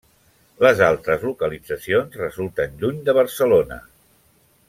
Les altres localitzacions resulten lluny de Barcelona.